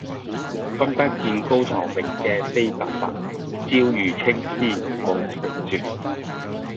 君不見高堂明鏡悲白髮，朝如青絲暮成雪